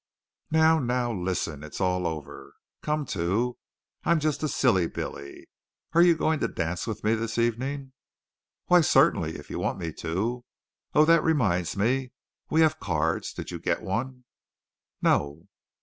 "Now, now, listen! It's all over. Come to. I'm just a silly billy. Are you going to dance with me this evening?" "Why, certainly, if you want me to! Oh, that reminds me! We have cards. Did you get one?" "No."